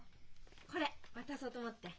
これ渡そうと思って。